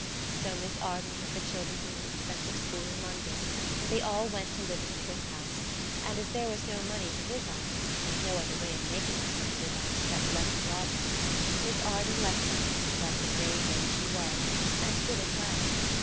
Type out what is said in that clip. So Miss Arden took the children from the expensive school in London, and they all went to live in the cliff house, and as there was no money to live on, and no other way of making money to live on except letting lodgings, Miss Arden let them, like the brave lady she was, and did it well.